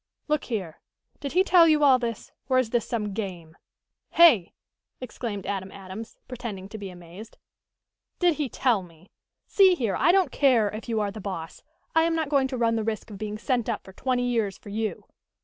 "Look here, did he tell you all this, or is this some game?" "Hey!" exclaimed Adam Adams, pretending to be amazed. "Did he tell me. See here, I don't care if you are the boss, I am not going to run the risk of being sent up for twenty years for you.